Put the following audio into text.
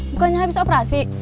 bukannya habis operasi